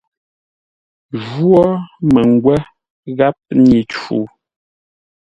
Jwó məngwə́ gháp nyi-cuu.